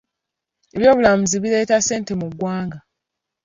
Eby'obulambuzi bireeta ssente mu ggwanga.